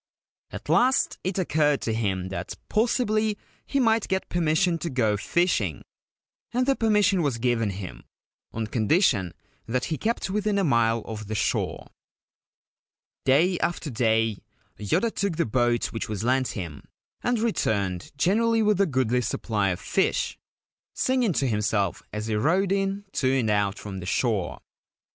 At last it occurred to him that possibly he might get permission to go fishing ; and the permission was given him, on condition that he kept within a mile of the shore. Day after day Yoda took the boat which was lent him, and returned generally with a goodly supply of fish, singing to himself as he rowed in to and out from the shore.